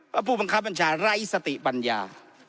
เพราะพวกบัญชาไร้สติปัญญา